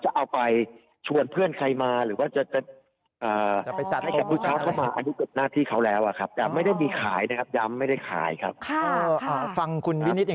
แต่ไม่ได้มีขายนะครับย้ำไม่ได้ขายครับค่ะฟังคุณวินิษย์